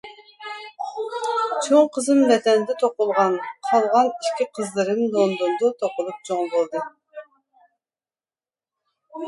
چوڭ قىزىم ۋەتەندە توقۇلغان، قالغان ئىككى قىزلىرىم لوندوندا توقۇلۇپ چوڭ بولدى.